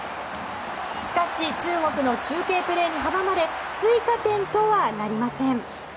しかし中国の中継プレーに阻まれ追加点とはなりません。